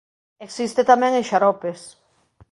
Existe tamén en xaropes.